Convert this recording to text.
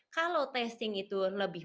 kalau testing itu lebih